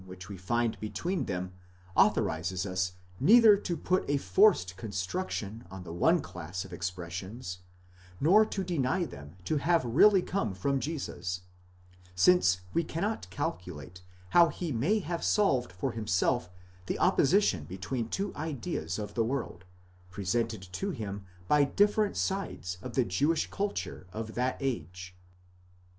455 which we find between them authorizes us neither to put a forced construction on the one class of expressions, nor to deny them to have really come from Jesus, since we cannot calculate how he may have solved for himself the opposition between two ideas of the world, presented to him by different sides of the Jewish culture of that age.